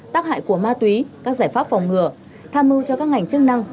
tác hại của ma túy các giải pháp phòng ngừa tham mưu cho các ngành chức năng